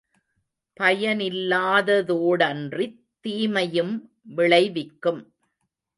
பயனில்லாத தோடன்றித் தீமையும் விளைவிக்கும்.